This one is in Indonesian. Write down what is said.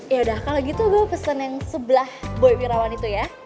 ya udah kalau gitu gue pesen yang sebelah boy wirawan itu ya